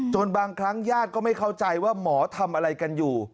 บางครั้งญาติก็ไม่เข้าใจว่าหมอทำอะไรกันอยู่